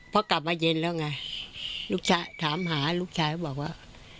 พอกลับมาเย็นแล้วไงลูกชายถามหาลูกชายก็บอกว่า